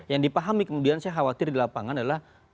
yang dipahami kemudian saya khawatir di lapangan adalah